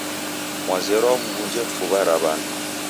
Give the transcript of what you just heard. Mwazerwa mw'unje fuw'a ra w'andu,